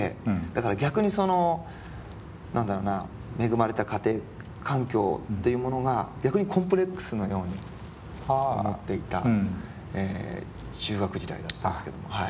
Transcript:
だから逆にその何だろうな恵まれた家庭環境っていうものが逆にコンプレックスのように思っていた中学時代だったんですけど。